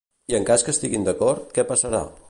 I en cas que estiguin d'acord, què passarà?